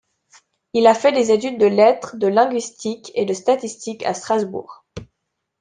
Il a fait des études de lettres, de linguistique et de statistiques à Strasbourg.